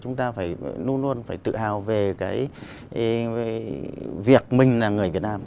chúng ta luôn luôn phải tự hào về việc mình là người việt nam